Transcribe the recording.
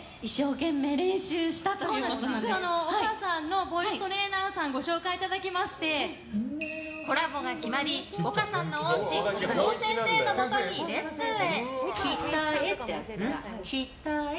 実は丘さんのボイストレーナーさんをコラボが決まり、丘さんの恩師伊藤先生のもとにレッスンへ。